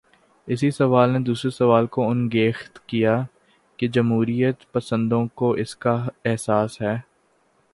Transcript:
اسی سوال نے ایک دوسرے سوال کو انگیخت کیا: کیا جمہوریت پسندوں کو اس کا احساس ہے؟